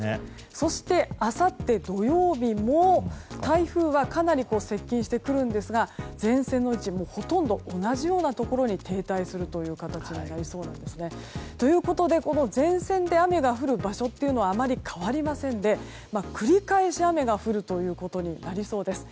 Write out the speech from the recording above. そして、あさって土曜日も台風はかなり接近してくるんですが前線の位置、ほとんど同じようなところに停滞する形になりそうなんですね。ということで、この前線で雨が降る場所というのはあまり変わりませんので繰り返し雨が降るということになりそうです。